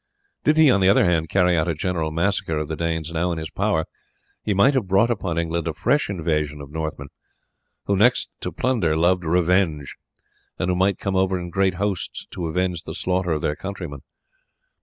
Did he, on the other hand, carry out a general massacre of the Danes now in his power he might have brought upon England a fresh invasion of Northmen, who, next to plunder, loved revenge, and who might come over in great hosts to avenge the slaughter of their countrymen.